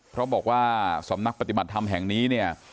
เพราะบอกว่าสำนักปฏิบัติธรรมแห่งนี้เนี่ย